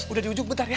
udah di ujung bentar ya